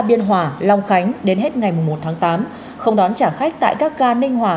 ninh hòa long khánh đến hết ngày một tháng tám không đón trả khách tại các ga ninh hòa